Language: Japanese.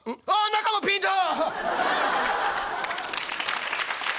中もピンだ！」。